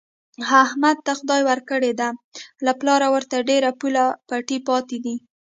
احمد ته خدای ورکړې ده، له پلاره ورته ډېر پوله پټی پاتې دی.